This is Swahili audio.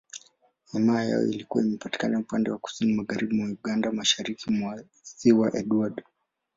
Himaya hiyo ilikuwa inapatikana upande wa Kusini Magharibi mwa Uganda, Mashariki mwa Ziwa Edward.